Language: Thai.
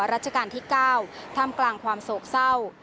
ราชการที่๙ท่ามกลางความโศกเศร้า